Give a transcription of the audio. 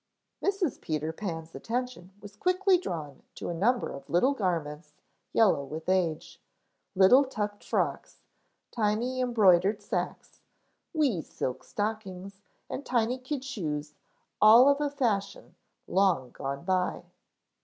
Mrs. Peter Pan's attention was quickly drawn to a number of little garments yellow with age; little tucked frocks, tiny embroidered sacques, wee silk stockings and tiny kid shoes all of a fashion long gone by.